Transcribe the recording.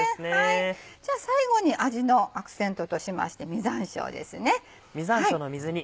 じゃあ最後に味のアクセントとしまして実山椒です。